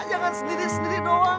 jangan sendiri sendiri doang